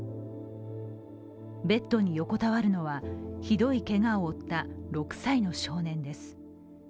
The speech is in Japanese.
ベッドに横たわるのは、ひどいけがを負った６歳の少年です。